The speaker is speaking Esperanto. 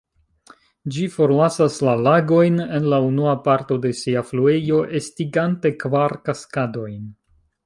Ĝi forlasas la lagojn, en la unua parto de sia fluejo, estigante kvar kaskadojn.